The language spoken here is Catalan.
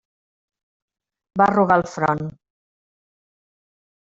Va arrugar el front.